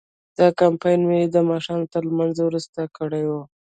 دا کمپاین مې د ماښام تر لمانځه وروسته کړی و.